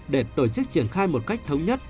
để tổ chức triển khai một cách thống nhất